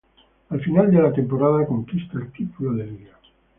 Al final de la temporada conquista el título de Liga.